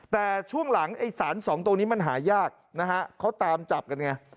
แต่ช่วงหลังสาร๒ตรงนี้มันหายากเขาตามจับกันไง